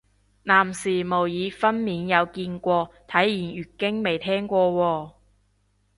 男士模擬分娩有見過，體驗月經未聽過喎